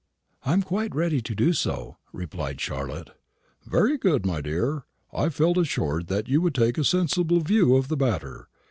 "I am quite ready to do so," replied Charlotte. "Very good, my dear. I felt assured that you would take a sensible view of the matter.